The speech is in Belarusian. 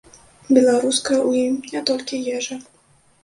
Беларуская ў ім не толькі ежа.